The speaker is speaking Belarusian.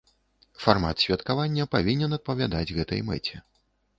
Фармат святкавання павінен адпавядаць гэтай мэце.